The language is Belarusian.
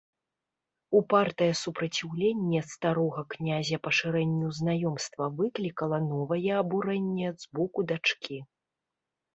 Упартае супраціўленне старога князя пашырэнню знаёмства выклікала новае абурэнне з боку дачкі.